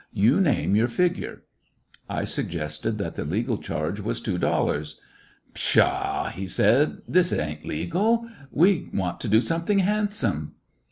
You name your figure." I suggested that the legal charge was two dollars. "Pshaw!" he said, "this ain't legal. We want to do something handsome."